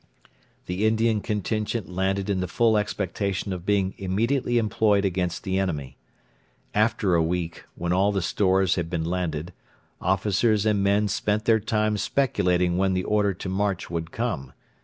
The Indian contingent landed in the full expectation of being immediately employed against the enemy. After a week, when all the stores had been landed, officers and men spent their time speculating when the order to march would come.